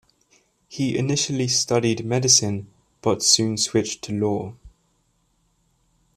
He initially studied medicine, but soon switched to law.